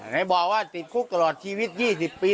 ไหนบอกว่าติดคุกตลอดชีวิต๒๐ปี